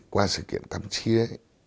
qua sự kiện campuchia